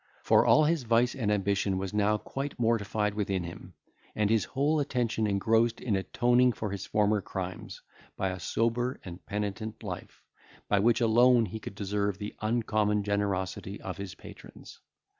For all his vice and ambition was now quite mortified within him, and his whole attention engrossed in atoning for his former crimes, by a sober and penitent life, by which alone he could deserve the uncommon generosity of his patrons.